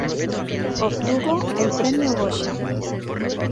Obtuvo el Premio Goya.